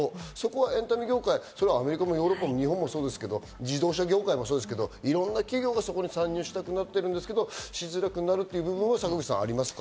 エンタメ業界、アメリカもヨーロッパも日本もそうですけど自動車業界もそうですけど、いろんな企業がそこに参入していこうとしているんですけど、しづらくなってくるという部分がありますか？